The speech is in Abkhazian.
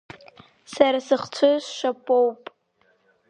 Сара сыхцәы шшапоуп!